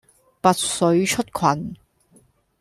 拔萃出群